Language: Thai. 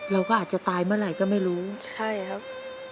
เราก็อาจจะตายเมื่อไหร่ก็ไม่รู้ใช่ครับ